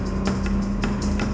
kamu mau jalan